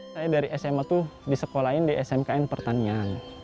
saya dari sma itu disekolahin di smkn pertanian